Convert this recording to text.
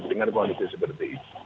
dengan kondisi seperti itu